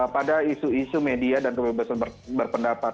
pada isu isu media dan kebebasan berpendapat